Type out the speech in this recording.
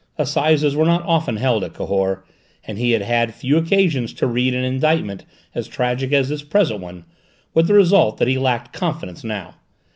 Assizes were not often held at Cahors, and he had had few occasions to read an indictment as tragic as this present one, with the result that he lacked confidence now.